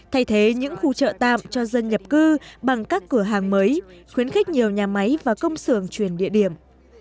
thay thế những khu chợ tạm cho dân nhập cư bằng các cửa hàng mới khuyến khích nhiều nhà máy và công sưởng chuyển địa điểm